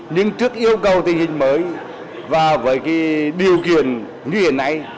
nhưng trước yêu cầu tình hình mới và với điều kiện như hiện nay